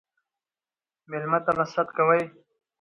ميلمه ته به ست کوئ